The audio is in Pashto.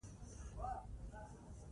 د هغه میرمن کریستینا اویتیسیکا نومیږي.